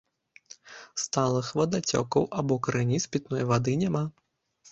Сталых вадацёкаў або крыніц пітной вады няма.